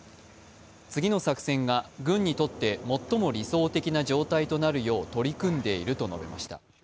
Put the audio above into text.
次の作戦が軍にとって最も理想的な状態となるよう取り組んでいると述べました。